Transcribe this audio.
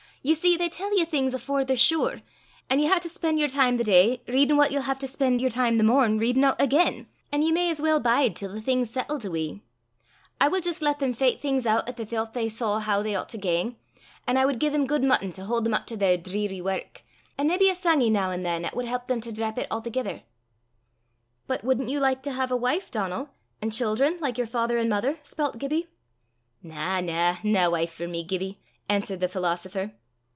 Ye see they tell ye things afore they're sure, an' ye hae to spen' yer time the day readin' what ye'll hae to spen' yer time the morn readin' oot again; an' ye may as weel bide till the thing's sattled a wee. I wad jist lat them fecht things oot 'at thoucht they saw hoo they oucht to gang; an' I wad gie them guid mutton to haud them up to their dreary wark, an' maybe a sangie noo an' than 'at wad help them to drap it a'thegither." "But wouldn't you like to have a wife, Donal, and children, like your father and mother?" spelt Gibbie. "Na, na; nae wife for me, Gibbie!" answered the philosopher.